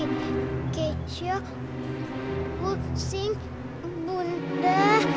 k kasia m mual g gunda